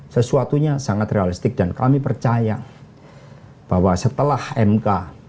sesuatunya sangat realistik dan kami percaya bahwa setelah mk